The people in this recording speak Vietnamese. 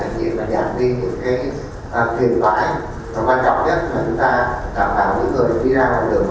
và giảm đi những cái thiền tỏa và quan trọng nhất là chúng ta cảm bảo mỗi người đi ra ngoài đường